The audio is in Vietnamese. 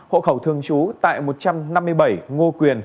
hộ khẩu thường trú tại một trăm năm mươi bảy ngô quyền